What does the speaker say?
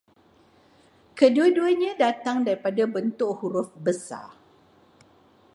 Kedua-duanya datang daripada bentuk huruf besar